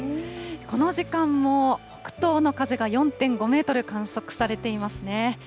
この時間も北東の風が４．５メートル観測されていますね。